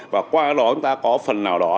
và qua đó chúng ta có phần nào đó